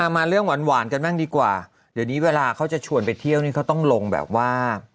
มาเรื่องหวานกันบ้างดีกว่าเดี๋ยวนี้เวลาเขาจะชวนไปเที่ยวนี่เขาต้องลงแบบว่า